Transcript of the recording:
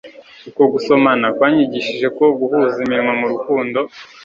Ukwo gusomana kwanyigishije ko guhuza iminwa mu Rukundo